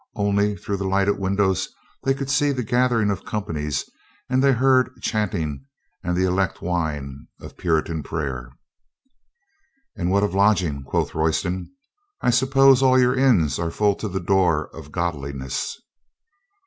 Only through the lighted windows they could see the gathering of companies and they heard chanting and the elect whine of Puritan prayer. "And what of a lodging?" quoth Royston. "I suppose all your inns are full to the door of god liness?"